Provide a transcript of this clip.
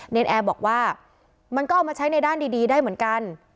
นแอร์บอกว่ามันก็เอามาใช้ในด้านดีได้เหมือนกัน